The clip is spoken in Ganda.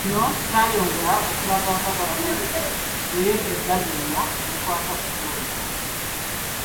Kino kyayongera okulaga nga gavumenti bwe yeddiza byonna ebikwata ku kulonda.